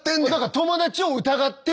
友達を疑ってる。